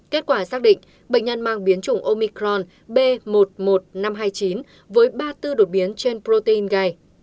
kết quả xác định bệnh nhân mang biến chủng omicron b một một năm trăm hai mươi chín với ba mươi bốn đột biến trên protein gai